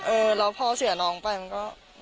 เออแล้วพอเสียน้องไปมันก็